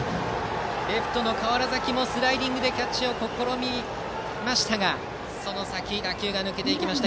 レフトの川原崎もスライディングでキャッチを試みましたがその先、打球が抜けていきました。